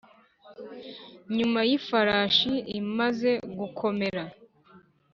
nyuma yifarashi imaze gukomera